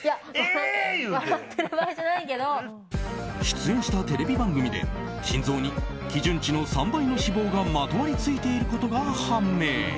出演したテレビ番組で心臓に基準値の３倍の脂肪がまとわりついていることが判明。